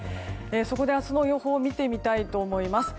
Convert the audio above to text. そこで明日の予報を見てみたいと思います。